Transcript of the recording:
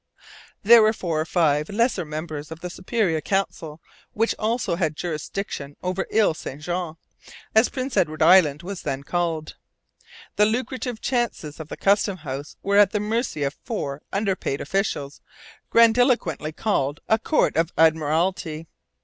There were four or five lesser members of the Superior Council, which also had jurisdiction over Ile St Jean, as Prince Edward Island was then called. The lucrative chances of the custom house were at the mercy of four under paid officials grandiloquently called a Court of Admiralty.